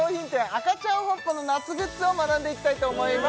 アカチャンホンポの夏グッズを学んでいきたいと思います